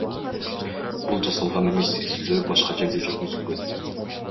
Бул жасалган эмес, изилдөө башка жерде жүргүзүлгөн.